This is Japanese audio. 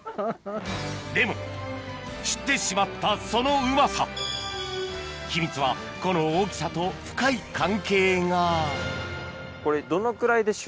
でも知ってしまったそのうまさ秘密はこの大きさと深い関係がこれ。